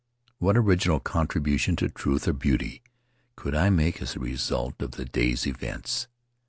What original contribution to truth or beauty could I make as a result of the day's events?